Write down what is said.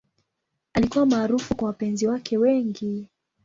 Alikuwa maarufu kwa wapenzi wake wengi.